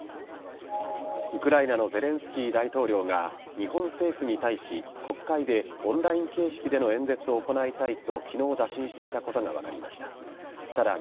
ウクライナのゼレンスキー大統領が日本政府に対し、国会でオンライン形式での演説を行いたいと、きのう打診していたことが分かりました。